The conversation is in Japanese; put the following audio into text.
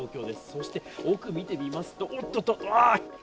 そして奥見てみますと、おっとっとっ。